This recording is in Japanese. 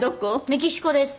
メキシコです。